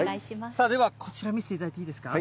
さあ、ではこちら、見せていただいていいですか。